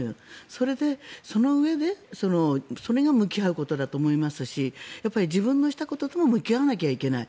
それで、そのうえでそれが向き合うことだと思いますし自分のしたこととも向き合わなきゃいけない。